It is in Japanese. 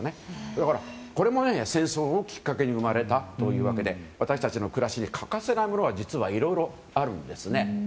だからこれも戦争をきっかけに生まれたもので私たちの暮らしに欠かせないものがいろいろあるんですね。